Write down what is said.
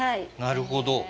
なるほど。